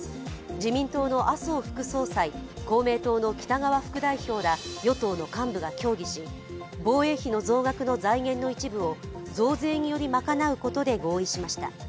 自民党の麻生副総裁、公明党の北側副代表ら与党の幹部が協議し、防衛費の増額の財源の一部を、増税により賄うことで合意しました。